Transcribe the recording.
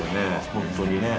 本当にね。